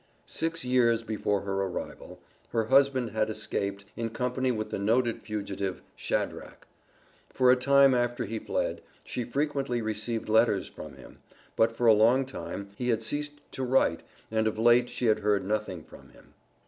Six years before her arrival, her husband had escaped, in company with the noted fugitive, "Shadrach." For a time after he fled, she frequently received letters from him, but for a long while he had ceased to write, and of late she had heard nothing from him.